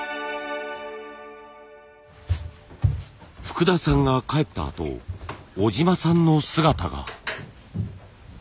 福田さんが帰ったあと小島さんの姿が。